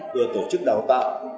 vừa tổ chức đào tạo